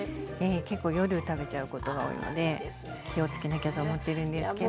結構夜食べちゃうことが多いので気をつけなきゃと思ってるんですけど。